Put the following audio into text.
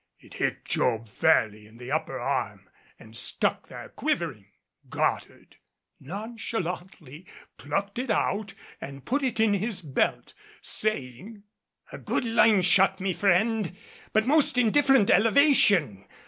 It hit Job fairly in the upper arm and stuck there quivering. Goddard nonchalantly plucked it out and put it in his belt saying, "A good line shot, me friend, but most indifferent elevation.